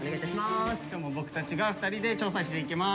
今日も僕たちが２人で調査していきます。